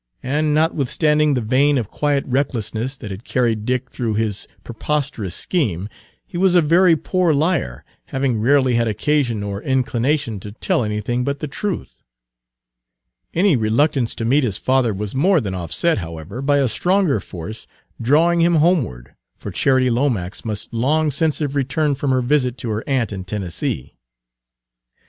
And notwithstanding the vein of quiet recklessness that had carried Dick through his preposterous scheme, he was a very poor liar, having rarely had occasion or inclination to tell anything but the truth. Page 195 Any reluctance to meet his father was more than offset, however, by a stronger force drawing him homeward, for Charity Lomax must long since have returned from her visit to her aunt in Tennessee.